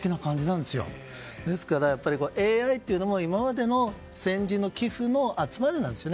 ですから、ＡＩというのも今までの先人の棋風の集まりなんですよね。